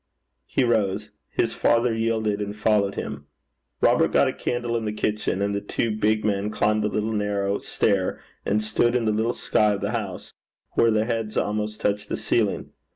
He rose. His father yielded and followed him. Robert got a candle in the kitchen, and the two big men climbed the little narrow stair and stood in the little sky of the house, where their heads almost touched the ceiling.